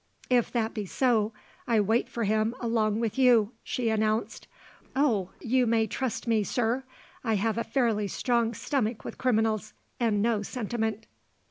"If that be so, I wait for him along with you," she announced. "Oh, you may trust me, sir! I have a fairly strong stomach with criminals, and no sentiment."